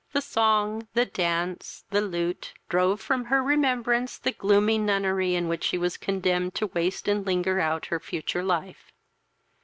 The song, the dance, the lute, drove from her remembrance the gloomy nunnery in which she was condemned to waste and linger out her future life.